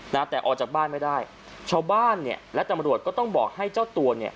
นะแต่ออกจากบ้านไม่ได้ชาวบ้านเนี่ยและตำรวจก็ต้องบอกให้เจ้าตัวเนี่ย